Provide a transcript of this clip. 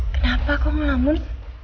kenapa kau ngelamun